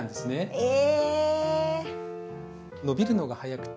へえ。